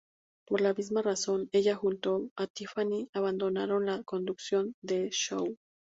Por la misma razón, ella junto a Tiffany abandonaron la conducción de "Show!